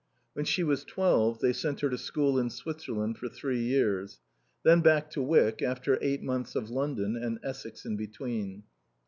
When she was twelve they sent her to school in Switzerland for three years. Then back to Wyck, after eight months of London and Essex in between.